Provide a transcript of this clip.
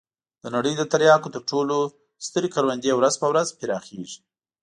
د نړۍ د تریاکو تر ټولو سترې کروندې ورځ په ورځ پراخېږي.